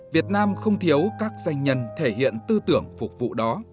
việt nam không thiếu các doanh nhân thể hiện tư tưởng phục vụ đó